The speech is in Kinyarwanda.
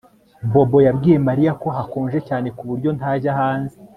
Bobo yabwiye Mariya ko hakonje cyane ku buryo ntajya hanze